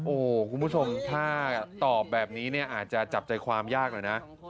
โอ้โหคุณผู้ชมถ้าตอบแบบนี้เนี่ยอาจจะจับใจความยากหน่อยนะ